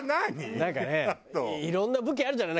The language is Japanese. なんかねいろんな武器あるじゃない。